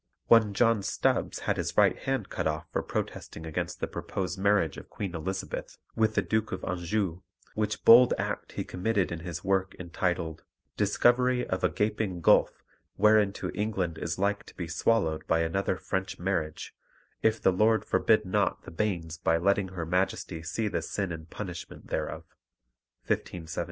One John Stubbs had his right hand cut off for protesting against the proposed marriage of Queen Elizabeth with the Duke of Anjou, which bold act he committed in his work entitled _Discoverie of a Gaping Gulf whereinto England is like to be swallowed by another French marriage, if the Lord forbid not the banes by letting her Majestie see the sin and punishment thereof_ (1579).